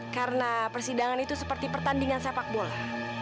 karena persidangan itu seperti pertandingan sepak bola